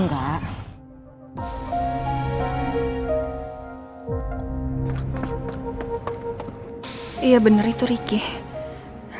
enggak salah lagi ternyata dia ikutin gue dan nino sampai sini